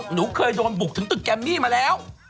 หนูเคยโดนบุกถึงตึกแกมมี่มาแล้ว